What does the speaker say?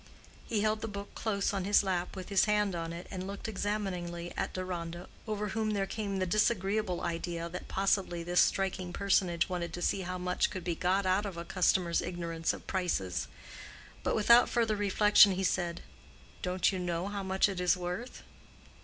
He held the book close on his lap with his hand on it and looked examiningly at Deronda, over whom there came the disagreeable idea, that possibly this striking personage wanted to see how much could be got out of a customer's ignorance of prices. But without further reflection he said, "Don't you know how much it is worth?"